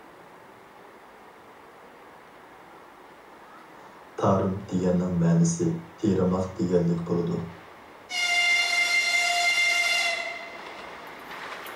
تارىم دېگەننىڭ مەنىسى تېرىماق دېگەنلىك بولىدۇ.